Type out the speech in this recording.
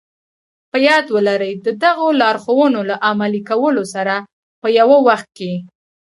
په ياد ولرئ د دغو لارښوونو له عملي کولو سره په يوه وخت کې.